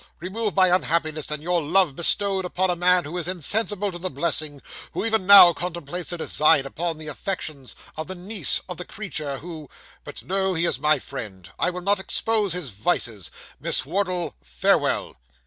remove my unhappiness, and your love bestowed upon a man who is insensible to the blessing who even now contemplates a design upon the affections of the niece of the creature who but no; he is my friend; I will not expose his vices. Miss Wardle farewell!